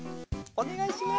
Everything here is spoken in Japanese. お願いします。